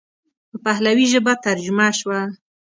په پهلوي ژبه ترجمه شوه.